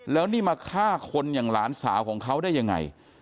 แล้วนี่มาฆ่าคนอย่างหลานสาวของเขาได้ยังไง